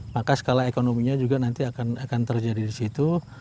maka skala ekonominya juga nanti akan terjadi di situ